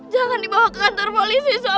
jangan dibawa ke kantor polisi suami saya pak